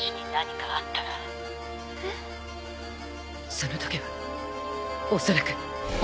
そのときはおそらく。